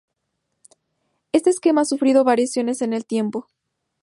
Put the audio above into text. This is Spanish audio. Este esquema ha sufrido variaciones en el tiempo.